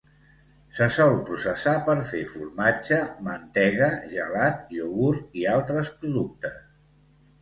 Se sol processar per fer formatge, mantega, gelat, iogurt i altres productes.